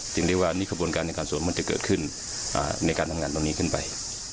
เรียกว่านี่กระบวนการในการสวนมันจะเกิดขึ้นในการทำงานตรงนี้ขึ้นไป